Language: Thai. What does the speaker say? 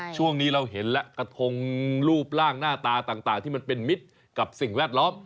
ช่วงนี้เราเห็นแล้วกระทงรูปร่างหน้าตาต่างที่มันเป็นมิตรกับสิ่งแวดล้อม